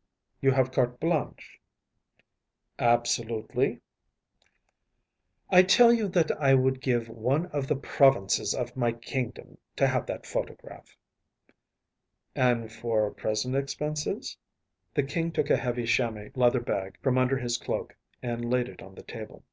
‚ÄĚ “You have carte blanche.‚ÄĚ ‚ÄúAbsolutely?‚ÄĚ “I tell you that I would give one of the provinces of my kingdom to have that photograph.‚ÄĚ “And for present expenses?‚ÄĚ The King took a heavy chamois leather bag from under his cloak and laid it on the table.